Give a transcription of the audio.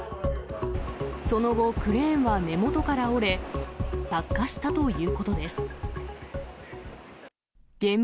その後、クレーンは根元から折れ、落下したということです。